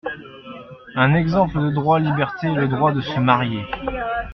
Un exemple de droit-liberté est le droit de se marier.